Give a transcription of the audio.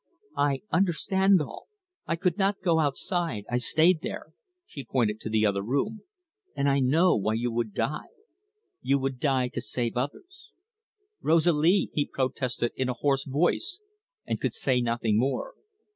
"I understand all. I could not go outside, I stayed there" she pointed to the other room "and I know why you would die. You would die to save others." "Rosalie!" he protested in a hoarse voice, and could say nothing more.